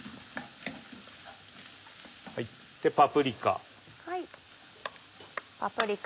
パプリカ。